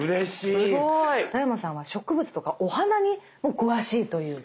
田山さんは植物とかお花にも詳しいという。